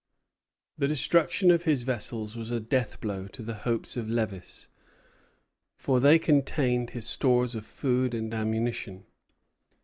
The destruction of his vessels was a death blow to the hopes of Lévis, for they contained his stores of food and ammunition.